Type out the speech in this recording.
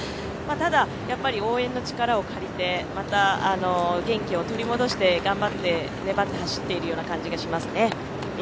ただ、応援の力を借りて、また元気を取り戻して頑張って粘って走っているような感じがしますね。